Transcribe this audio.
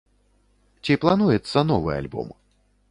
Ці плануецца новы альбом?